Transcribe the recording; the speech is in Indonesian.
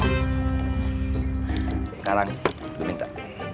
sekarang gue minta